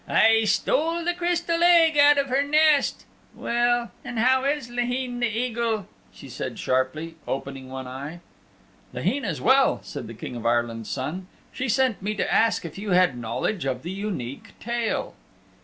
I stole the Crystal Egg out of her nest. Well, and how is Laheen the Eagle?" she said sharply, opening one eye. "Laheen is well," said the King of Ireland's Son. "She sent me to ask if you had knowledge of the Unique Tale."